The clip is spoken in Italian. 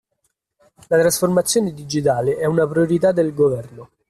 La trasformazione digitale è una priorità del Governo.